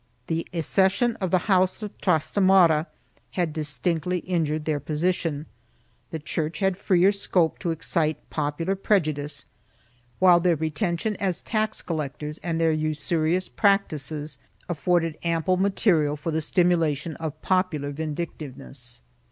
The accession of the House of Trastamara had distinctly injured their position, the Church had freer scope to excite popular prejudice, while their retention as tax collectors and their usurious practices afforded ample material for the stimulation. of popular vindica tiveness.